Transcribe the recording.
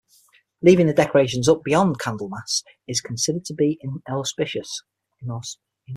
Leaving the decorations up beyond Candlemas is considered to be inauspicious.